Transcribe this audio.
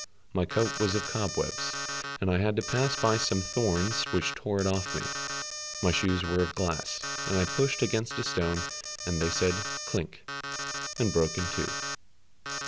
My coat was of cobwebs, and I had to pass by some thorns which tore it off me, my shoes were of glass, and I pushed against a stone and they said, "Klink," and broke in two.